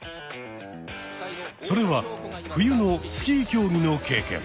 それは冬のスキー競技の経験。